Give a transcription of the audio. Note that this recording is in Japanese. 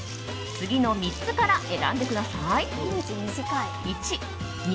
次の３つから選んでください。